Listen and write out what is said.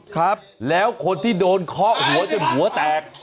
ครับแล้วคนที่โดนเคาะหัวจนหัวแตก